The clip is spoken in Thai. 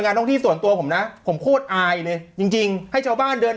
งานท่องที่ส่วนตัวผมนะผมโคตรอายเลยจริงให้ชาวบ้านเดินทาง